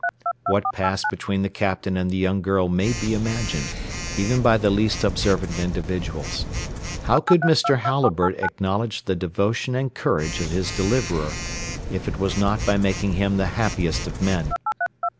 What passed between the Captain and the young girl may be imagined, even by the least observant individuals. How could Mr. Halliburtt acknowledge the devotion and courage of his deliverer, if it was not by making him the happiest of men?